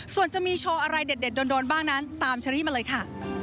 ส่วนจะมีโชว์อะไรเด็ดโดนบ้างนั้นตามเชอรี่มาเลยค่ะ